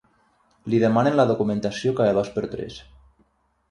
Li demanen la documentació cada dos per tres.